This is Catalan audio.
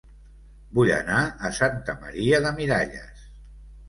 Vull anar a Santa Maria de Miralles